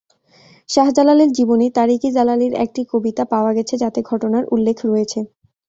শাহ জালালের জীবনী, তারিক-ই-জালালির একটি কবিতা পাওয়া গেছে যাতে ঘটনার উল্লেখ রয়েছে।